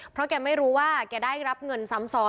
เพราะแกไม่รู้ว่าแกได้รับเงินซ้ำซ้อน